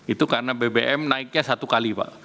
itu karena bbm naiknya satu kali pak